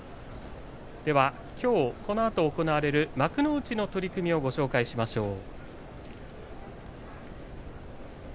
きょうこのあと行われる幕内の取組をご紹介しましょう。